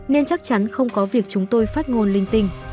nên chắc chắn không có việc chúng tôi phát ngôn linh tinh